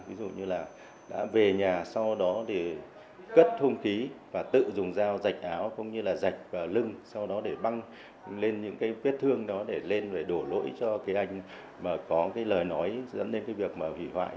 ví dụ như là đã về nhà sau đó để cất không khí và tự dùng dao dạch áo cũng như là dạch và lưng sau đó để băng lên những cái vết thương đó để lên về đổ lỗi cho cái anh mà có cái lời nói dẫn đến cái việc mà hủy hoại